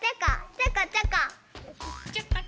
ちょこちょこ。